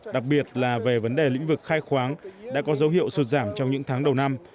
đặc biệt là về vấn đề lĩnh vực khai khoáng đã có dấu hiệu sụt giảm trong những tháng đầu năm